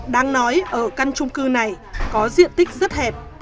đáng nói ở căn trung cư này có diện tích rất hẹp